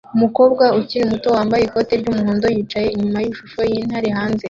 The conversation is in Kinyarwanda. Umukobwa ukiri muto wambaye ikoti ry'umuhondo yicaye inyuma yishusho yintare hanze